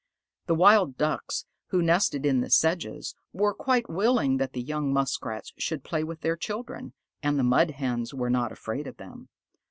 The Wild Ducks who nested in the sedges, were quite willing that the young Muskrats should play with their children, and the Mud Hens were not afraid of them.